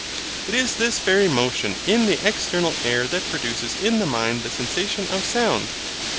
It is this very motion in the external air that produces in the mind the sensation of SOUND.